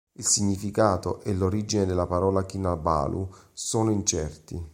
Il significato e l'origine della parola "kinabalu" sono incerti.